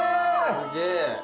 すげえ。